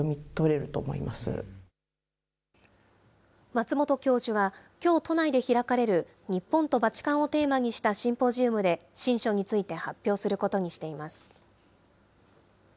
松本教授は、きょう、都内で開かれる日本とバチカンをテーマにしたシンポジウムで、親書について発表することにしています。